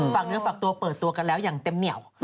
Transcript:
ฝากเนื้อฝากตัวเปิดตัวกันแล้วอย่างเต็มเหนียว